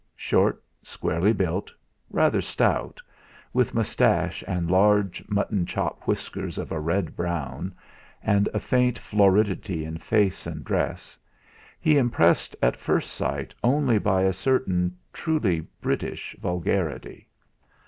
Short, squarely built, rather stout, with moustache and large mutton chop whiskers of a red brown, and a faint floridity in face and dress, he impressed at first sight only by a certain truly British vulgarity.